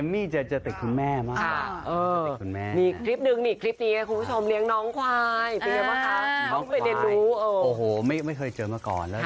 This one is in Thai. ไม่เคยเจอมาก่อน